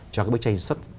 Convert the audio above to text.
cho cái bức tranh xuất